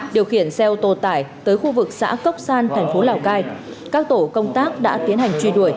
điều khiển xe ô tô tải tới khu vực xã cốc san thành phố lào cai các tổ công tác đã tiến hành truy đuổi